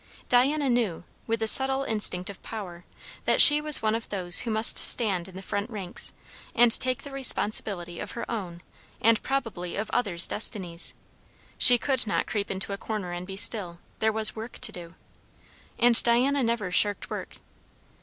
Diana knew, with the subtle instinct of power, that she was one of those who must stand in the front ranks and take the responsibility of her own and probably of others' destinies. She could not creep into a corner and be still; there was work to do. And Diana never shirked work.